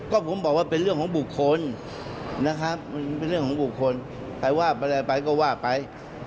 ก็ผมบอกว่าเป็นเรื่องของบุคคลใครว่าไปละก็ว่าไป